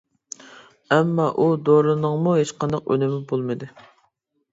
ئەمما ئۇ دورىنىڭمۇ ھېچقانداق ئۈنۈمى بولمىدى.